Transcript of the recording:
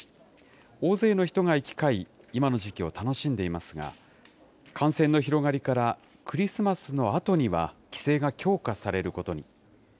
大勢の人が行き交い、今の時期を楽しんでいますが、感染の広がりから、クリスマスのあとには、規制が強化されることに。